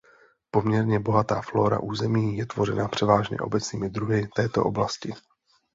Poměrně bohatá flóra území je tvořena převážně obecnými druhy této oblasti.